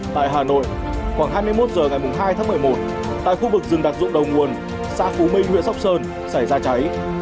tại hà nội khoảng hai mươi một h ngày hai tháng một mươi một tại khu vực rừng đặc dụng đầu nguồn xã phú minh huyện sóc sơn xảy ra cháy